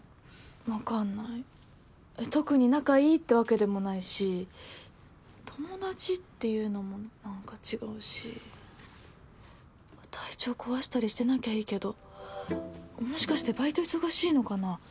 分かんない特に仲いいってわけでもないし友達っていうのも何か違うし体調壊したりしてなきゃいいけどもしかしてバイト忙しいのかな